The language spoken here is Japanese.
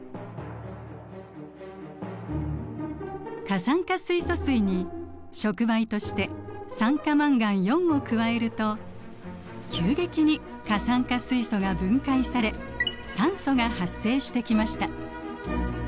過酸化水素水に触媒として酸化マンガンを加えると急激に過酸化水素が分解され酸素が発生してきました。